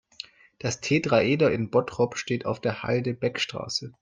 Das Tetraeder in Bottrop steht auf der Halde Beckstraße.